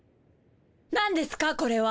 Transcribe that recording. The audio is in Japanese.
なんですかこれは。